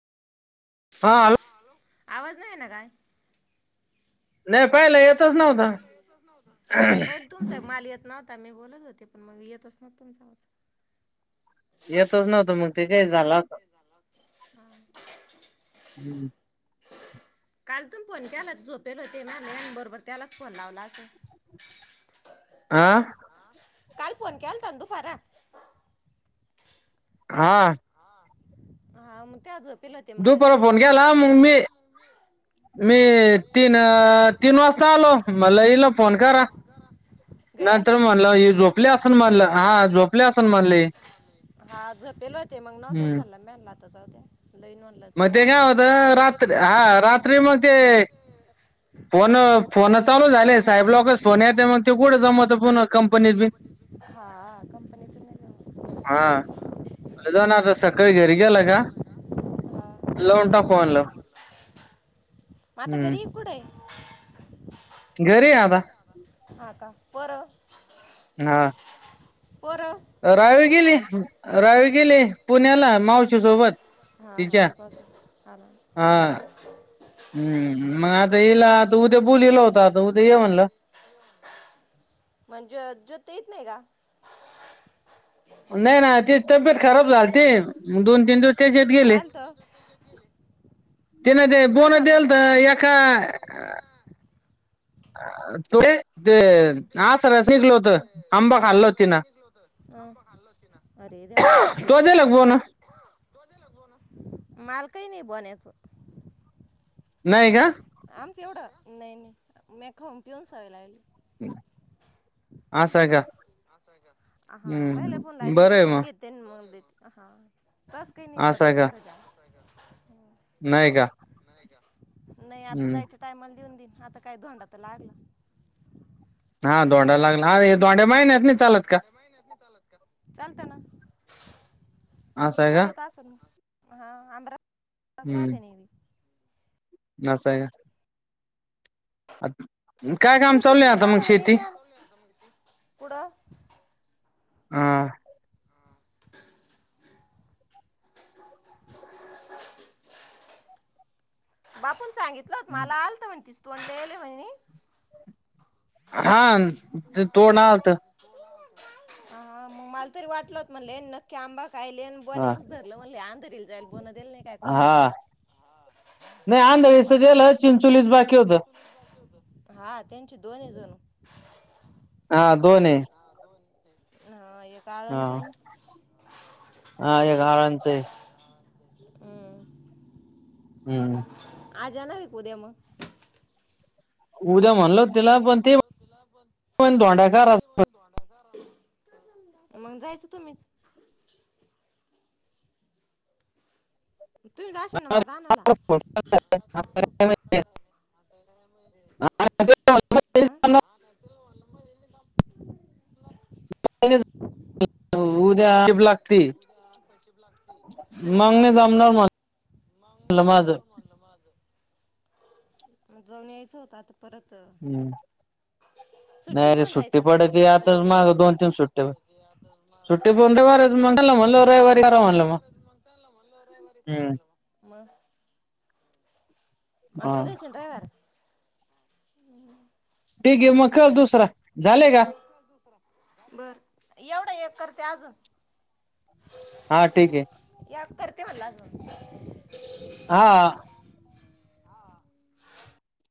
हा हॅल आवाज येना काय नाही पाहिला येत तच नवता नता मी बोलत होते पण मग येतच ना तुमचा मा येतच नव्हतं मग ते येतच काही नव्हत मग झालं होत तिथे झाला काल तुम फोन केला झोपेल होते ना मॅन बरोबर त्यालाच फोन लावला असं आ काल फोन केल ता न दुपार हा हा म ते आज दुपार फोन केला मग मी मी तीन तीन वाजता आलो मला येईल फोन करा घरी नंतर आलते म्हणल ही झोपली असन म्हणलं हा झोपले असन म्हणले हम् म ला आता जाउ द्या लई म्हणलं जर मग ते काय नव्हतं होत रात्री हा रात्री मग ते फोन फोन चालू झाले साहेब लॉकच फोन येत मग ते कुठं जमवत पुन कंपनीत बी हा कंपनीतून नाही जाऊ हा आ जानार सकाळी घेरी गेला का हा लावुन टाकु म्हनलं आता घरीच का कुठं आहे? [inaudible] घरी य आता हा का बर हा पोर! रावीळ गेली, राहळ गेली पुण्याला, मावशी सोबत हा, हा तिच्या रूपास आला ना हम मग आता, इला आता उद्या बोलील होत साधव उद्या ये म्हणलं. ते येत नाही का? नाही ना ती तब्येत खराब झालते दोन तीन दिवस त्याच्यात गेले काय आलत? तेना ते काय बोण झालं देल होतं? त एका अ तुरे! आंबा खाल्लो तिनं अरे देवा तो दिला का बोन मालकही नही बोन्यात. [inaudible] नाहीय का आमच एवढं नही नही म्या खाऊन पिऊन सवय लागली. आसयका! ह हा पहिले फोण लाहि ना, बरं मी आहे खाऊन मग घेते मग देते. हा! तस काही नाही, धरीन मी एवढं जा नही का! नही आता हम्म जायच्या, टाइमला देऊन दिल आता काय धोंडा तर लागला? हा धोंडा लागला? अरे हे दोंड्या महिन्यात नाही चालत का चालत ना, असं आहे का चालत असल. हा [inaudible] [unintelligible] [unintelligible] नसाय अक्क ज्योतिच तोंड आलं म्हणे मॅम. पुढं? हा [inaudible] बापून. सांगितलं होतं मला आलत म्हणे. तोंड लय येईल ये म्हणी ह हां ते तोंड आलत म मला तरी वाटलं होत म्हणलं यांनी नक्की आंबा खायले अन हा गोण्याचच धरलं म्हणले अंधारे का काय? तिल जायल हा नाही आंदवी ग चिंचलीस बाकी होतं. हा त्यांची दोनजन हा दोन आहे हा हा काळणच्या आहे ना हा एक हारांचंय हं हुं आजा येनायत उद्या म उद्या म्हणलो तीला पण ते डोंदाकार अस मंग जायच तुम्हीच तुम्ही जाशाल ना मग आता आणायला अं [unintelligible] [unintelligible] उद्या [unintelligible] शिब लागती मंग हा नाय हा जमणार म माझ म जाऊन यायचं होतं आता परत सुट्टी नाही रे पाहून जायचं ना पडते आता रयवारी माग दोन तीन सुट्टे सुट्टी बंद करायचं मंग त्याला म्हणल रविवारी करा म्हणलं मग हुं म आत उद्याच्यान रयवार [inaudible] ठीक ये मग कर दुसरा झाले का बर एवढं एक करते अजून हा ठीक ये. एक करते म्हणलं अजून हा